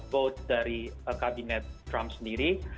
vote dari kabinet trump sendiri